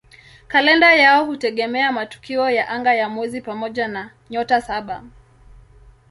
Kalenda yao hutegemea matukio ya anga ya mwezi pamoja na "Nyota Saba".